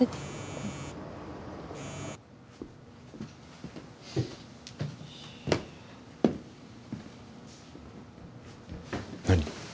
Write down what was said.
うん。何？